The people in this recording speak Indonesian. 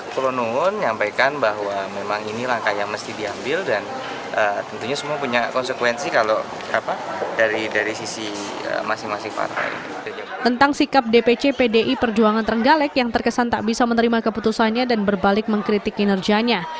tentang sikap dpc pdi perjuangan terenggalek yang terkesan tak bisa menerima keputusannya dan berbalik mengkritik kinerjanya